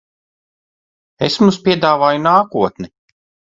Es mums piedāvāju nākotni.